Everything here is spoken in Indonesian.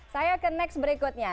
saya ke next berikutnya